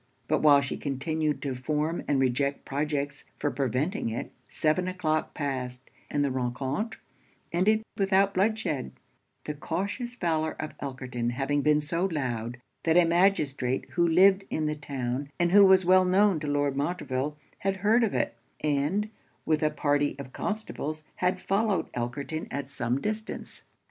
But while she continued to form and reject projects for preventing it, seven o'clock passed, and the rencontre ended without bloodshed; the cautious valour of Elkerton having been so loud, that a magistrate who lived in the town, and who was well known to Lord Montreville, had heard of it, and, with a party of constables, had followed Elkerton at some distance.